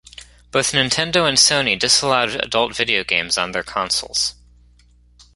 Both Nintendo and Sony disallowed adult video games on their consoles.